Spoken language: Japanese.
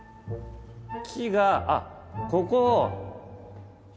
木があっここを。